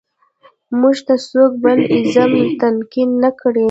موږ ته څوک بل ایزم تلقین نه کړي.